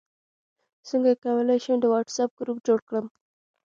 څنګه کولی شم د واټساپ ګروپ جوړ کړم